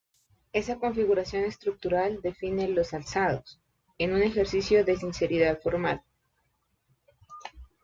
Esa configuración estructural define los alzados, en un ejercicio de sinceridad formal.